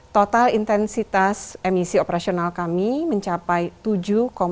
total intensitas emisi operational kami mencapai tujuh sembilan puluh dua ton co dua per jam